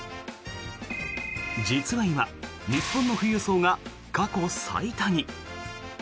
実は今、日本の富裕層が過去最多に。